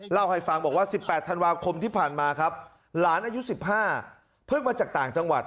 เล่าให้ฟังบอกว่า๑๘ธันวาคมที่ผ่านมาครับหลานอายุ๑๕เพิ่งมาจากต่างจังหวัด